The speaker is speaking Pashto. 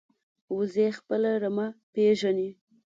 وزې خپل رمه پېژني